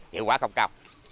hiệu quả không cao